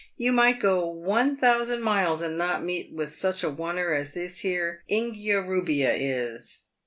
You might go one thousand miles and not meet with such a one er as this here Ingia rubbia is.